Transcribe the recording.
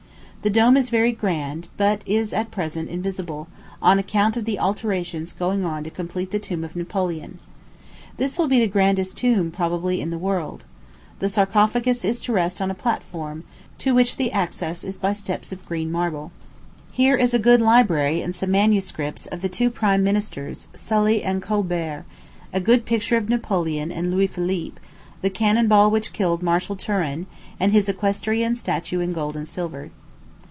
The dome is very grand, but is at present invisible, on account of the alterations going on to complete the tomb of Napoleon. This will be the grandest tomb, probably, in the world. The sarcophagus is to rest on a platform, to which the access is by steps of green marble. [Illustration: Sarcophagus at Napoleon's Tomb, and Key] Here is a good library and some MSS. of the two prime ministers, Sully and Colbert; a good picture of Napoleon and Louis Philippe; the cannon ball which killed Marshal Turenne, and his equestrian statue in gold and silver.